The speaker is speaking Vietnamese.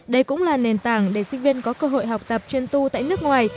đây cũng là nền tảng để sinh viên có cơ hội học tập chuyên tu tại nước ngoài